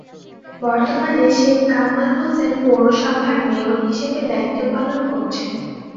বর্তমানে শেখ কামাল হোসেন পৌরসভার মেয়র হিসেবে দায়িত্ব পালন করছেন।